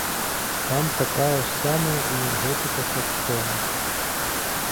Там такая ж самая энергетыка са сцэны.